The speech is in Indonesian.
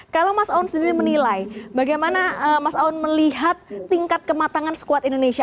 kalau mas aoun sendiri menilai bagaimana mas aoun melihat tingkat kematangan sekuat indonesia